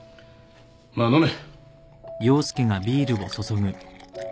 まあ飲め。